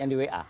yang di wa